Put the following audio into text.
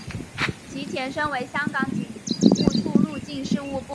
其前身为香港警务处入境事务部。